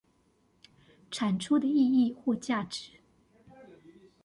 產出的意義或價值